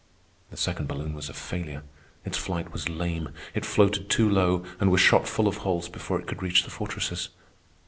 The second balloon was a failure. Its flight was lame. It floated too low and was shot full of holes before it could reach the fortresses.